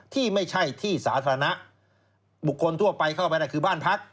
ที่ไม่ใช่ที่สาธารณะบุคคลทั่วไปเข้าไปได้คือบ้านพัก